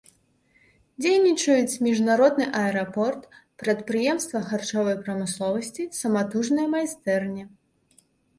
Дзейнічаюць міжнародны аэрапорт, прадпрыемствы харчовай прамысловасці, саматужныя майстэрні.